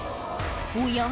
おや？